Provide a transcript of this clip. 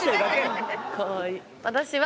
私は。